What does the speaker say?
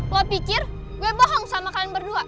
lo pikir gue bohong sama kalian berdua